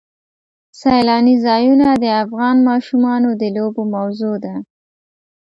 سیلانی ځایونه د افغان ماشومانو د لوبو موضوع ده.